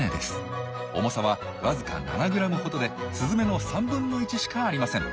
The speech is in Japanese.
重さはわずか７ｇほどでスズメの３分の１しかありません。